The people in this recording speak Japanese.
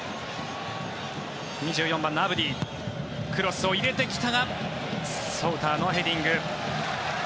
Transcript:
２４番のアブディクロスを入れてきたがソウターのヘディング。